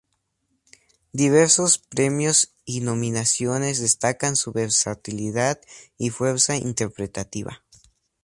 Diversos premios y nominaciones destacan su versatilidad y fuerza interpretativa.